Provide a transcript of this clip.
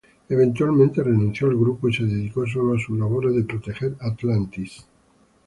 Eventualmente renunció al grupo y se dedicó sólo a sus labores de proteger Atlantis.